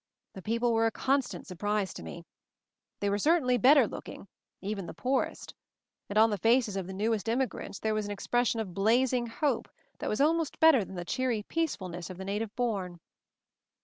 The people were a constant surprise to me. They were cer tainly better looking, even the poorest. And on the faces of the newest immigrants there was an expression of blazing hope that was almost better than the cheery peacefulness of the native born.